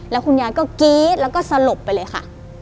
แล้วคุณยายก็กรี๊ดแล้วก็สลบไปเลยค่ะ